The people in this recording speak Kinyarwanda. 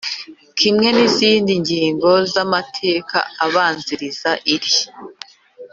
kimwe n izindi ngingo z amateka abanziriza iri